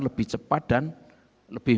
lebih cepat dan lebih